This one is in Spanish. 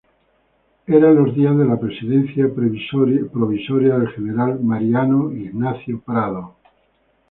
Eran los días de la presidencia provisoria del general Mariano Ignacio Prado.